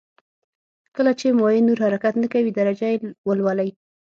کله چې مایع نور حرکت نه کوي درجه یې ولولئ.